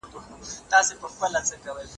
چي دا ولي؟ راته ووایاست حالونه